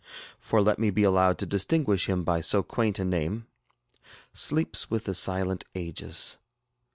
ŌĆØ] for let me be allowed to distinguish him by so quaint a name sleeps with the silent ages.